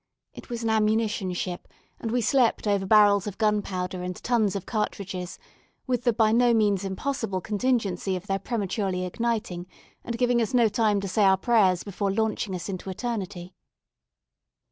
It was an ammunition ship, and we slept over barrels of gunpowder and tons of cartridges, with the by no means impossible contingency of their prematurely igniting, and giving us no time to say our prayers before launching us into eternity.